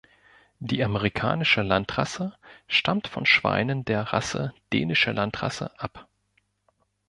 Die Amerikanische Landrasse stammt von Schweinen der Rasse Dänische Landrasse ab.